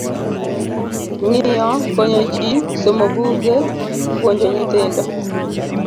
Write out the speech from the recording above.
Ng'iyo: konyo ji, somo buge, puonjo nyithindo.